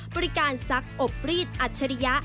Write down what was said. บริการซักอบรีดอัจฉริยะ